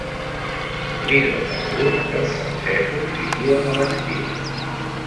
L'hidrocarbur que els francesos situen a l'estiu.